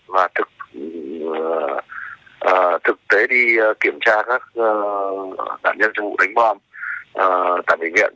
và thực tế đi kiểm tra các nạn nhân trong vụ đánh bom tại bệnh viện